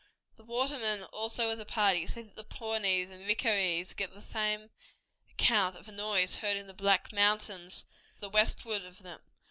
The watermen also of the party say that the Pawnees and Ricaras give the same account of a noise heard in the Black Mountains to the westward of them.